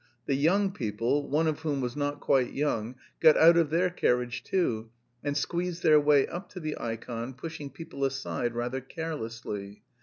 The young people (one of whom was not quite young) got out of their carriage too, and squeezed their way up to the ikon, pushing people aside rather carelessly.